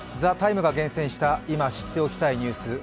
「ＴＨＥＴＩＭＥ，」が厳選した今、知っておきたいニュース